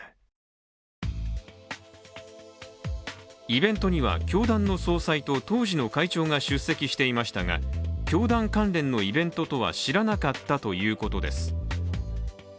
イベントには教団の総裁と当時の会長が出席していましたが教団関連のイベントとは知らなかったということです。